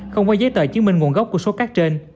không có giấy tờ chứng minh nguồn gốc của số cát trên